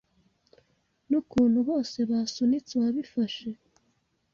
Nukuntu bose basunitse uwabifashe